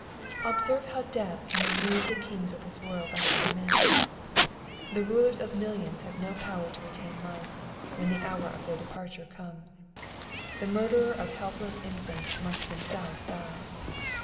Observe how death can remove the kings of this world like other m/en. The rulers of millions have no power to retain life, when the hour of their departure comes. The murderer of helpless infants must himself die.